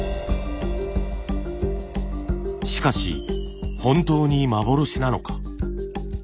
しかし本当に幻なのか。